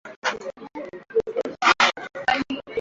Tanzania inaletaka mayi ya dasani kalemie ya mingi